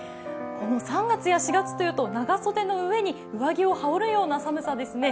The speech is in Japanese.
この３月や４月というと長袖の上に上着を羽織るような寒さですね。